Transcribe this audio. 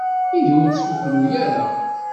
Ihi ur ttkukru ara.